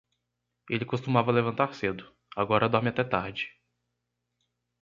Ele costumava levantar cedo, agora dorme até tarde.